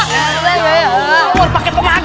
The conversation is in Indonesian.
keluar pakai tenaga dong